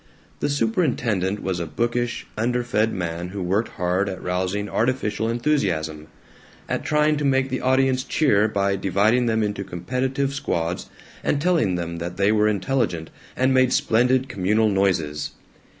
The superintendent was a bookish, underfed man who worked hard at rousing artificial enthusiasm, at trying to make the audience cheer by dividing them into competitive squads and telling them that they were intelligent and made splendid communal noises.